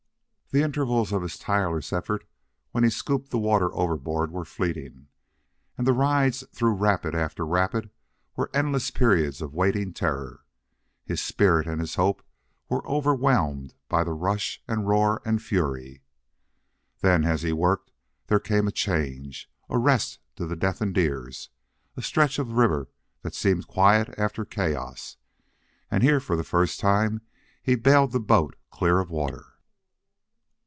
The intervals of his tireless effort when he scooped the water overboard were fleeting, and the rides through rapid after rapid were endless periods of waiting terror. His spirit and his hope were overwhelmed by the rush and roar and fury. Then, as he worked, there came a change a rest to deafened ears a stretch of river that seemed quiet after chaos and here for the first time he bailed the boat clear of water.